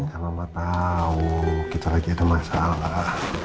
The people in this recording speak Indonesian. ya mama tau kita lagi ada masalah